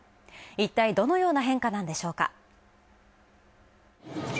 いったいどのような変化なのでしょうか。